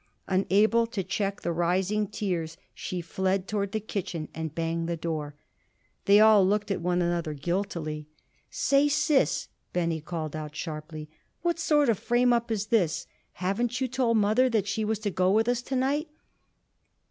Unable to check the rising tears, she fled toward the kitchen and banged the door. They all looked at one another guiltily. "Say, Sis," Benny called out sharply, "what sort of frame up is this? Haven't you told mother that she was to go with us to night?"